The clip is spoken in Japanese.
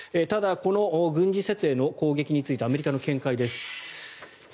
ただこの軍事施設への攻撃についてアメリカの見解です。